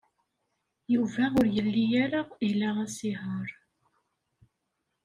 Yuba ur yelli ara ila asihaṛ.